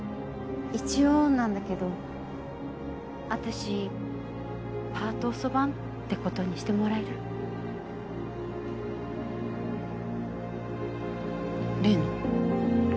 一応なんだけど私パート遅番ってことにしてもらえる例の？